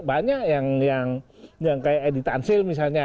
banyak yang kaya editansil misalnya